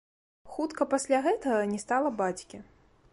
Хутка пасля гэтага не стала бацькі.